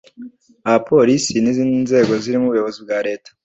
aba polisi n’izindi nzego zirimo ubuyobozi bwa leta